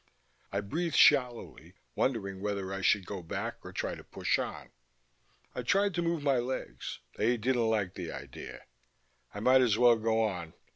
I breathed shallowly, wondering whether I should go back or try to push on. I tried to move my legs; they didn't like the idea. I might as well go on.